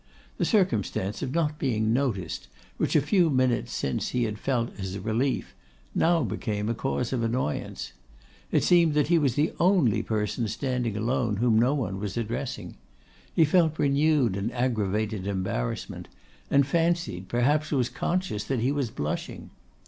The circumstance of not being noticed, which a few minutes since he had felt as a relief, became now a cause of annoyance. It seemed that he was the only person standing alone whom no one was addressing. He felt renewed and aggravated embarrassment, and fancied, perhaps was conscious, that he was blushing.